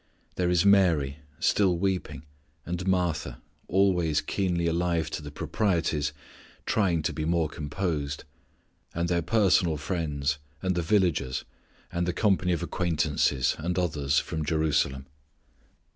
There is Mary, still weeping, and Martha, always keenly alive to the proprieties, trying to be more composed, and their personal friends, and the villagers, and the company of acquaintances and others from Jerusalem.